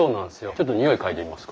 ちょっと匂い嗅いでみますか？